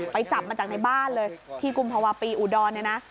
ไปจับมาจากในบ้านเลยที่กุมภาวะปีอุดรเนี่ยนะ